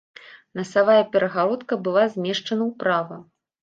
Насавая перагародка была змешчана ўправа.